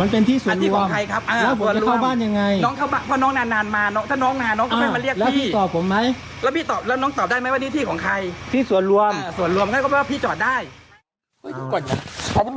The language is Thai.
มันคือที่ของใครเค้าถามที่ของใครเค้าก็ภูมิเค้าถูก